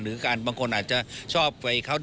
หรือการบางคนอาจจะชอบไปเข้าดาวน์